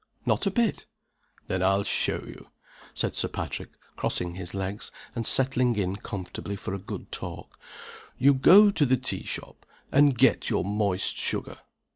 "Not a bit!" "Then I'll show you," said Sir Patrick, crossing his legs, and setting in comfortably for a good talk "You go to the tea shop, and get your moist sugar.